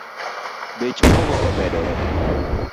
Bech mogo omedore